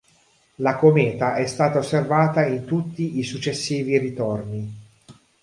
La cometa è stata osservata in tutti i successivi ritorni.